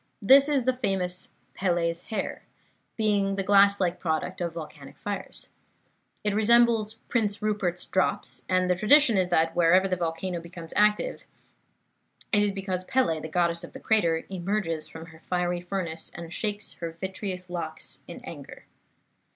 This is the famous Pele's Hair, being the glass like product of volcanic fires. It resembles Prince Rupert's Drops, and the tradition is that whenever the volcano becomes active it is because Pele, the Goddess of the crater, emerges from her fiery furnace and shakes her vitreous locks in anger.